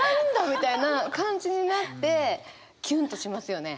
みたいな感じになってキュンとしますよね。